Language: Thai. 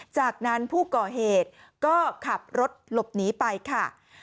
จากนั้นผู้ก่อเหตุก็ขับรถหลบหนีไปค่ะ